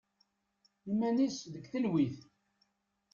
Iman-is deg telwit.